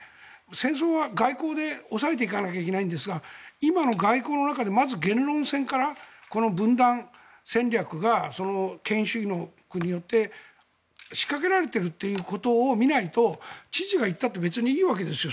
戦争は外交で抑えていかなきゃいけないんですが今の外交の中でまず言論戦からこの分断戦略が権威主義の国によって仕掛けられているということを見ないと知事が行ったって別にいいわけですよ。